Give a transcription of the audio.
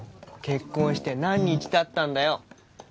結婚して何日たったんだよ